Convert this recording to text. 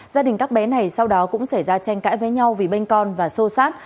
gia đình các bé này sau đó cũng xảy ra tranh cãi với nhau vì bên con và sô sát